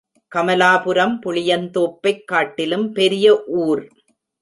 கமலாபுரம் புளியந்தோப்பைக் காட்டிலும் பெரிய ஊர்.